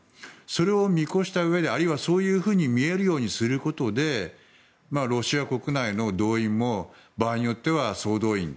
それを見越したうえであるいはそういうふうに見えるようにすることでロシア国内の動員も場合によっては総動員。